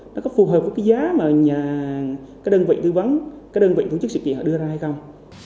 nó có phù hợp với cái giá mà các đơn vị tư vấn các đơn vị tổ chức sự kiện họ đưa ra hay không